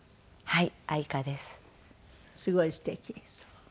はい。